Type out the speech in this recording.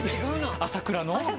朝倉の。